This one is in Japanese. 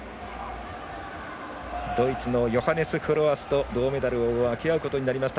ドイツのヨハネス・フロアスと銅メダルを分け合うことになりました。